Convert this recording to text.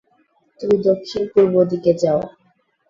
তুমি দক্ষিণ পূর্ব দিকে যাও।